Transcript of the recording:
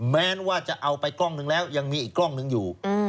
แม้ว่าจะเอาไปกล้องนึงแล้วยังมีอีกกล้องหนึ่งอยู่